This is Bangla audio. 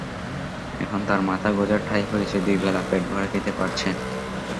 এখন তাঁর মাথা গোঁজার ঠাঁই হয়েছে, দুই বেলা পেট ভরে খেতে পারছেন।